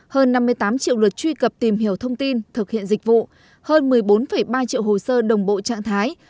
hơn năm mươi tám triệu luật truy cập tìm hiểu thông tin thực hiện dịch vụ hơn một mươi bốn ba triệu hồ sơ đồng bộ trạng thái